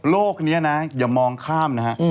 โลกนี้นะอย่ามองข้ามนะฮะ